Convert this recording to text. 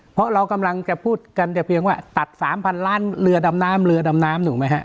เพราะเรากำลังจะพูดกันแต่เพียงว่าตัด๓๐๐ล้านเรือดำน้ำเรือดำน้ำถูกไหมฮะ